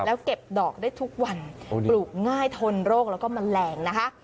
แล้วเก็บดอกได้ทุกวันปลูกง่ายทนโรคแล้วก็แมลงนะคะ